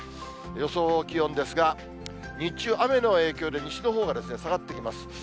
予想気温ですが、日中、雨の影響で西のほうが下がってきます。